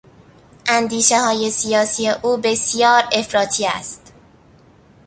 اندیشههای سیاسی او بسیار افراطی است.